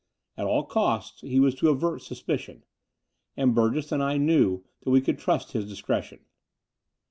At all costs he was to avert suspicion ; and Burgess and I knew that we could trust his discretion.